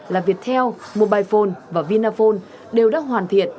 là viettel mobile phone và vinaphone đều đã hoàn thiện